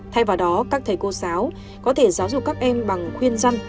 thay vào đó các thầy cô giáo có thể giáo dục các em bằng khuyên dân